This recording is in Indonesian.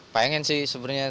pengen sih sebenernya